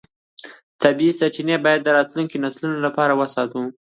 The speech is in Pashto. طبیعي سرچینې باید د راتلونکو نسلونو لپاره وساتو